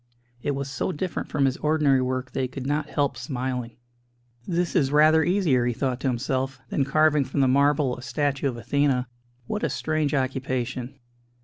It was so different from his ordinary work that he could not help smiling. "This is rather easier," he thought to himself, "than carving from the marble a statue of Athena. What a strange occupation!"